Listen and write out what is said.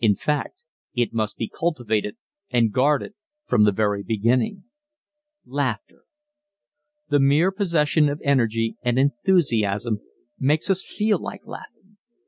in fact it must be cultivated and guarded from the very beginning ... laughter. The mere possession of energy and enthusiasm makes us feel like laughing.